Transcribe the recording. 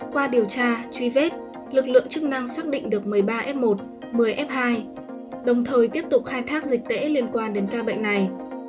qua điều tra truy vết lực lượng chức năng xác định được một mươi ba f một một mươi f hai đồng thời tiếp tục khai thác dịch tễ liên quan đến ca bệnh này